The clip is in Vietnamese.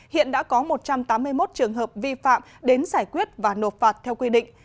hiện đã có một trăm tám mươi một trường hợp vi phạm đến giải quyết và nộp phạt theo quy định